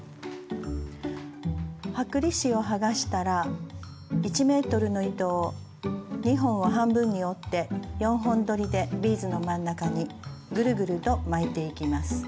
剥離紙を剥がしたら１ｍの糸を２本を半分に折って４本どりでビーズの真ん中にぐるぐると巻いていきます。